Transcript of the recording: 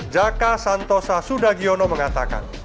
jaka santosa sudagiono mengatakan